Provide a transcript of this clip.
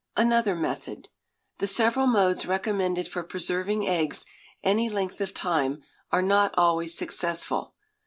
Another Method. The several modes recommended for preserving eggs any length of time are not always successful.